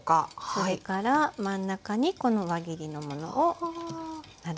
それから真ん中にこの輪切りのものを並べていきます。